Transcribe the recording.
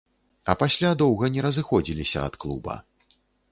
А пасля доўга не разыходзіліся ад клуба.